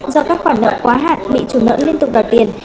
do các khoản nợ quá hạn bị chủ nợ liên tục đoạt tiền